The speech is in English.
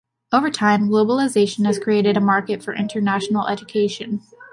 Over time globalization has created a market for international education.